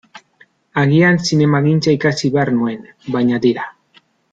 Agian zinemagintza ikasi behar nuen, baina tira.